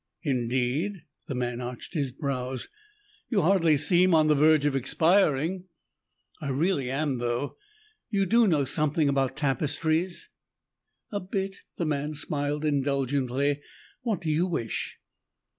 "Indeed?" The man arched his brows. "You hardly seem on the verge of expiring." "I really am, though. You do know something about tapestries?" "A bit." The man smiled indulgently. "What do you wish?"